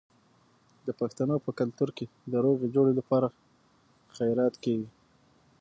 د پښتنو په کلتور کې د روغې جوړې لپاره خیرات کیږي.